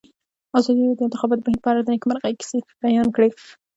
ازادي راډیو د د انتخاباتو بهیر په اړه د نېکمرغۍ کیسې بیان کړې.